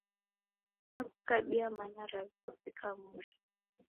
Nakukabia mana navika mwisho